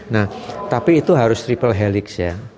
nah tapi itu harus triple helix ya